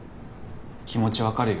気持ち分かるよ。